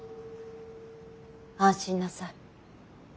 安心なさい。